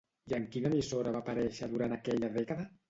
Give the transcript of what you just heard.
I en quina emissora va aparèixer durant aquella dècada?